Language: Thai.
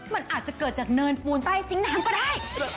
มันอาจจะเกิดจากเนินปูนใต้ติ๊งน้ำก็ได้